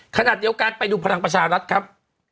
ขนาดเดี๋ยวการไปดูภารกิจประชารัฐครับ